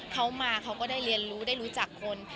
เขามาเขาก็ได้เรียนรู้ได้รู้จักคน